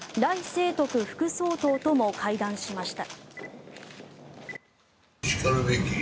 清徳副総統とも会談しました。